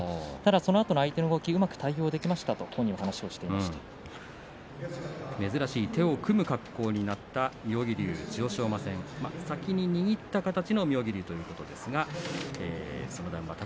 そのあと相手の動き、うまく対応できたと本人は珍しく手を組む形になった妙義龍、千代翔馬戦。先に握った形の妙義龍です。